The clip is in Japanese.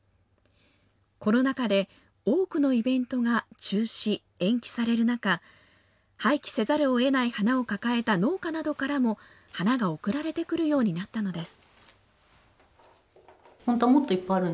コロナ禍で多くのイベントが中止・延期される中、廃棄せざるをえない花を抱えた農家などからも花が送られてくるようになったのです。